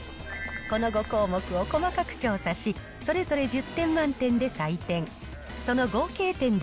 この５項目を細かく調査し、それぞれ１０点満点で採点。